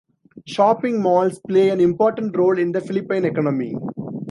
Shopping malls play an important role in the Philippine economy.